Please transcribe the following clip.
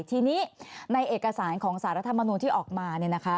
ทีนี้ในเอกสารของสารรัฐมนูลที่ออกมา